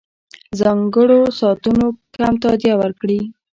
ځانګړو ساعتونو کم تادیه ورکړي.